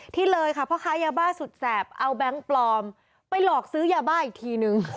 ที่เลยค่ะพ่อค้ายาบ้าสุดแสบเอาแบงค์ปลอมไปหลอกซื้อยาบ้าอีกทีนึง